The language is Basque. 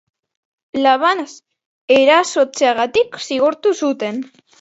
Labanaz erasotzeagatik zigortu zuten.